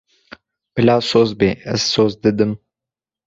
Bila soz be, ez soz didim.